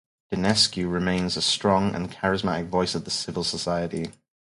Dinescu remains a strong and charismatic voice of the civil society.